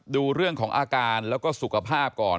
ดูเรื่องของอาการแล้วก็สุขภาพก่อน